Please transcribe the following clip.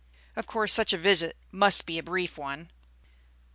Of course such a visit must be a brief one.